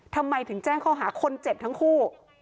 ทำไมถึงแจ้งข้อหาคนเจ็บทั้งคู่